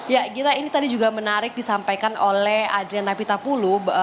ya ini tadi juga menarik disampaikan oleh adrian napitapulu